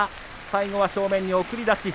最後は正面に送り出し。